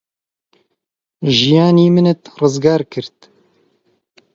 ژیانی منت ڕزگار کرد.